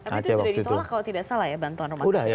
tapi itu sudah ditolak kalau tidak salah ya bantuan rumah sakit